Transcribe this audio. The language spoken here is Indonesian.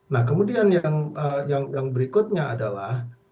nah kemudian yang berikutnya adalah